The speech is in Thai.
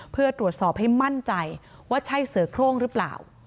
เพื่อตรวจสอบให้มั่นใจว่าใช่เสือโครงหรือเปล่า